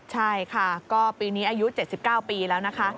ใช่ค่ะก็ปีนี้อายุ๗๙ปีแล้วนะคะ